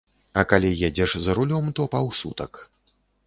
А калі едзеш за рулём, то паўсутак.